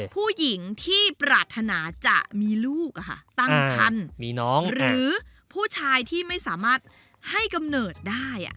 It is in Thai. ผู้หญิงที่ปรารถนาจะมีลูกตั้งคันมีน้องหรือผู้ชายที่ไม่สามารถให้กำเนิดได้